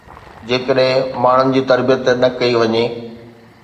جيڪڏهن ماڻهن جي تربيت نه ڪئي وڃي